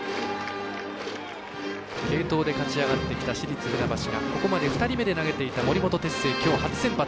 継投で勝ち上がってきた市立船橋がここまで２人で投げていた森本哲星、きょう初先発。